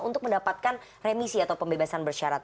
untuk mendapatkan remisi atau pembebasan bersyarat